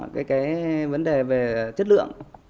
cái cái vấn đề về chất lượng